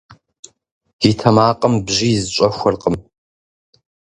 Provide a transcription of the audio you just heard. И тэмакъым бжьиз щӀэхуэркъым.